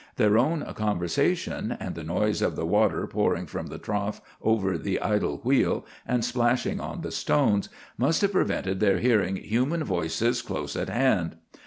Their own conversation, and the noise of the water pouring from the trough over the idle wheel and splashing on the stones, must have prevented their hearing human voices close at hand.